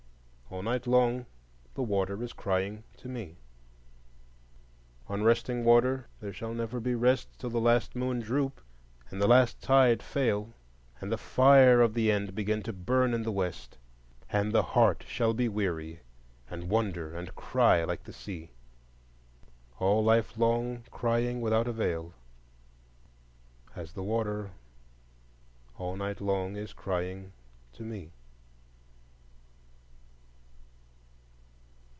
All night long the water is crying to me. Unresting water, there shall never be rest Till the last moon droop and the last tide fail, And the fire of the end begin to burn in the west; And the heart shall be weary and wonder and cry like the sea, All life long crying without avail, As the water all night long is crying to me.